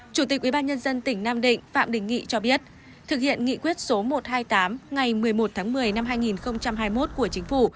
chủ tịch ubnd tỉnh nam định phạm đình nghị cho biết thực hiện nghị quyết số một trăm hai mươi tám ngày một mươi một tháng một mươi năm hai nghìn hai mươi một của chính phủ